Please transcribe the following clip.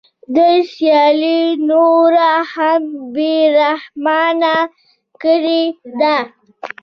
دوی سیالي نوره هم بې رحمانه کړې ده